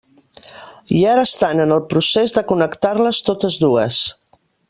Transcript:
I ara estan en el procés de connectar-les totes dues.